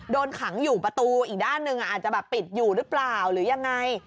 โดนขังอยู่ประตูอีกด้านหนึ่งอาจจะแบบปิดอยู่หรือเปล่าหรือยังไง